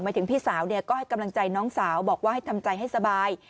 ถึงพี่สาวก็ให้กำลังใจน้องสาวบอกว่าให้ทำใจให้สบาย